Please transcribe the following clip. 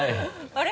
あれ？